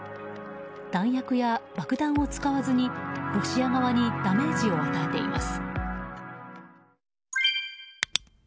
弾薬や爆弾を使わずにロシア側にダメージを与えています。